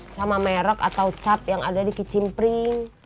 sama merek atau cap yang ada di kicimpring